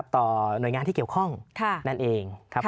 ต่อหน่วยงานที่เกี่ยวข้องนั่นเองครับ